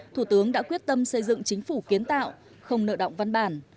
thủ tướng đã quyết tâm xây dựng chính phủ kiến tạo không nợ động văn bản